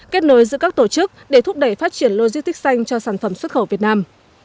kết nối giữa các tổ chức để thúc đẩy phát triển logistics xanh cho sản phẩm xuất khẩu việt nam